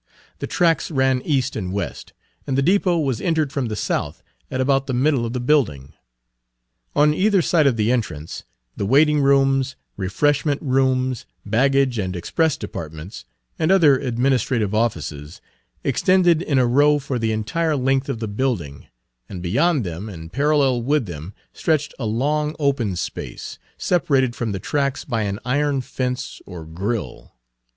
The tracks ran east and west, and Page 114 the depot was entered from the south, at about the middle of the building. On either side of the entrance, the waiting rooms, refreshment rooms, baggage and express departments, and other administrative offices, extended in a row for the entire length of the building; and beyond them and parallel with them stretched a long open space, separated from the tracks by an iron fence or grille.